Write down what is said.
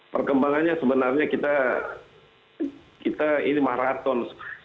perkembangannya sebenarnya kita ini maraton